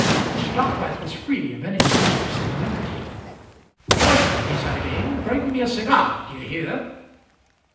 Mr. Dockwrath was free of any such pusillanimity. "Waiter," he said again, "bring me a cigar, d'ye hear?"